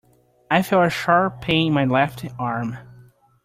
I feel a sharp pain in my left arm.